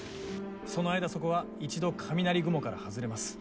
その間、そこは一度、雷雲から外れます。